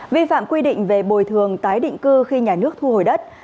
vi phạm quy định về bồi thường tái định cư khi nhà nước thu hồi đất